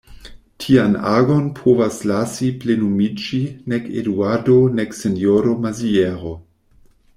Tian agon povas lasi plenumiĝi nek Eduardo nek sinjoro Maziero.